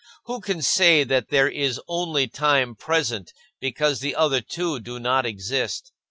Who can say that there is only time present because the other two do not exist?